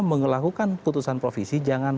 mengelakukan putusan provisi jangan